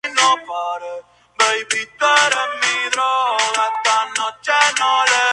Postre hecho con zumo de uva, harina de maíz y nueces.